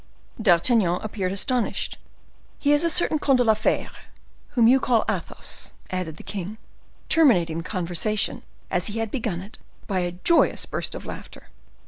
D'Artagnan appeared astonished. "He is a certain Comte de la Fere,—whom you call Athos," added the king; terminating the conversation, as he had begun it, by a joyous burst of laughter.